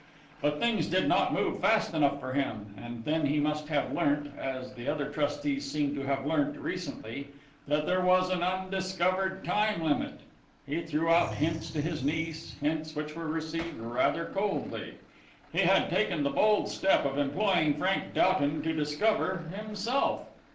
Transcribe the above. "But things did not move fast enough for him, and then he must have learnt, as the other trustees seem to have learnt recently, that there was an undiscovered time limit. He threw out hints to his niece, hints which were received rather coldly. He had taken the bold step of employing Frank Doughton to discover himself!